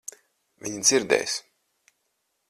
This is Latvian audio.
Viņa dzirdēs.